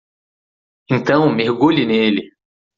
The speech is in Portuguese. Então, mergulhe nele.